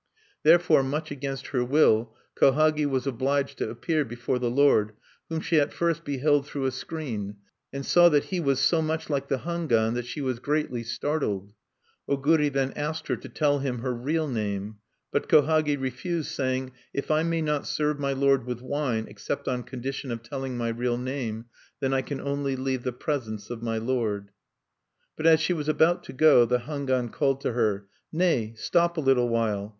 Therefore, much against her will, Kohagi was obliged to appear before the lord, whom she at first beheld through a screen, and saw that he was so much like the Hangwan that she was greatly startled. Oguri then asked her to tell him her real name; but Kohagi refused, saying: "If I may not serve my lord with wine, except on condition of telling my real name, then I can only leave the presence of my lord." But as she was about to go, the Hangwan called to her: "Nay, stop a little while.